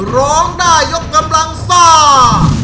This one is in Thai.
ร้องได้ยกกำลังซ่า